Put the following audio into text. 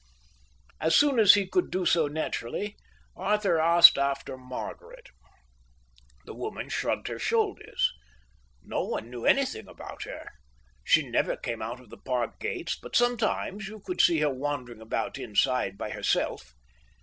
As soon as he could do so naturally, Arthur asked after Margaret. The woman shrugged her shoulders. No one knew anything about her. She never came out of the park gates, but sometimes you could see her wandering about inside by herself.